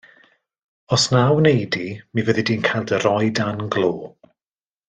Os na wnei di, mi fyddi di'n cael dy roi dan glo.